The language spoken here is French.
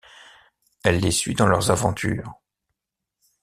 Elle les suit dans leurs aventures.